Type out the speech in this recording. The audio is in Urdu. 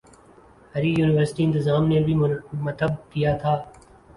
اری یونیورسٹی انتظام نے بھی متب کیا تھا